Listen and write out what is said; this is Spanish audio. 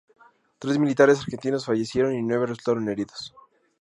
Tres militares argentinos fallecieron y nueve resultaron heridos.